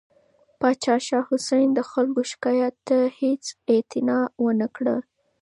پاچا شاه حسین د خلکو شکایت ته هیڅ اعتنا ونه کړه.